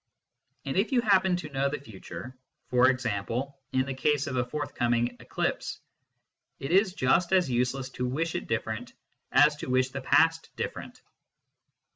And if you happen to know the future e.g. in the case of a forthcoming eclipse it is just as useless to wish it different as to wish the past different.